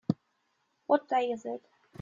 What day is it?